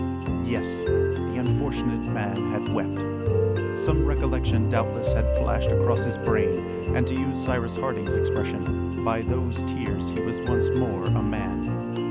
Yes! the unfortunate man had wept! Some recollection doubtless had flashed across his brain, and to use Cyrus Harding's expression, by those tears he was once more a man.